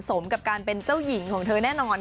สมกับการเป็นเจ้าหญิงของเธอแน่นอน